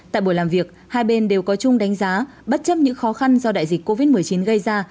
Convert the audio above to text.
tại buổi làm việc hai bên đều có chung đánh giá bất chấp những khó khăn do đại dịch covid một mươi chín gây ra